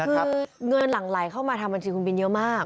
คือเงินหลั่งไหลเข้ามาทำบัญชีคุณบินเยอะมาก